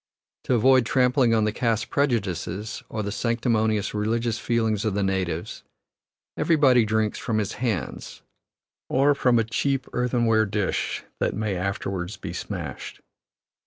To avoid trampling on the caste prejudices, or the sanctimonious religious feelings of the natives, everybody drinks from his hands, or from a cheap earthenware dish that may afterward be smashed.